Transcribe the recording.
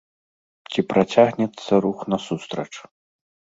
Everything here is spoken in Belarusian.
Ці працягнецца рух насустрач?